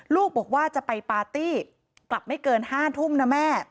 ลูกบอกว่าจะไปปาร์ตี้กลับไม่เกิน๕ทุ่มนะแม่